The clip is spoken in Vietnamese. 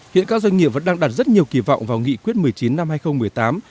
hiện các doanh nghiệp vẫn đang đặt rất nhiều kỳ vọng vào nghị quyết một mươi chín năm hai nghìn một mươi tám